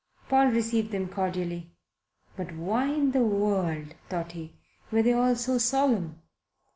Paul received them cordially. But why in the world, thought he, were they all so solemn?